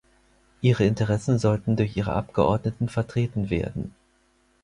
Ihre Interessen sollten durch ihre Abgeordneten vertreten werden.